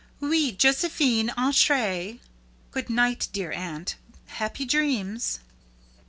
Oui, Josephine, entrez! Good night, dear aunt. Happy dreams!"